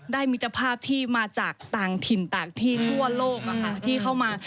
มิตรภาพที่มาจากต่างถิ่นต่างที่ทั่วโลกที่เข้ามา